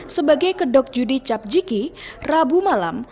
sebagai kedok judi capjiki rabu malam